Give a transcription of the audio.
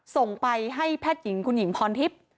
ส่งไปให้แพทย์หญิงคุณหญิงพรทิพย์